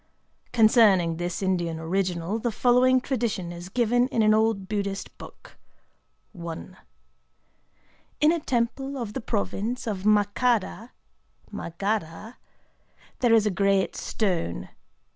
Concerning this Indian original, the following tradition is given in an old Buddhist book:—"In a temple of the province of Makada [Maghada] there is a great stone.